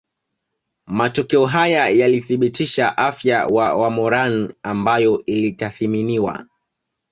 Matokeo haya yalithibitisha afya wa wamoran ambayo ilitathminiwa